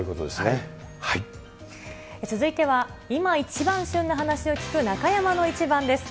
続いては、今一番旬な話を聞く、中山のイチバンです。